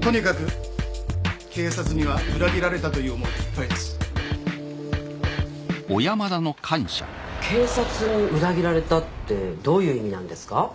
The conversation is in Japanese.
とにかく警察には裏切られたという思いでいっぱいです警察に裏切られたってどういう意味なんですか？